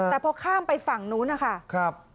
แต่พอข้ามไปฝั่งนู้นนะคะ